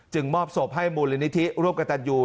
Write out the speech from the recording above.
มอบศพให้มูลนิธิร่วมกับตันยู